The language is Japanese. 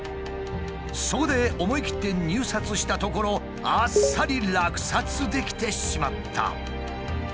そこで思い切って入札したところあっさり落札できてしまった。